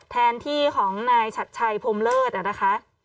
แทนที่ของนายชัดชัยพรมเลิศนะคะ